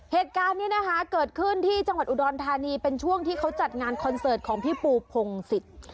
เหตุการณ์นี้นะคะเกิดขึ้นที่จังหวัดอุดรธานีเป็นช่วงที่เขาจัดงานคอนเสิร์ตของพี่ปูพงศิษย์